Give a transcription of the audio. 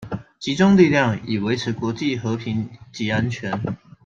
集中力量，以維持國際和平及安全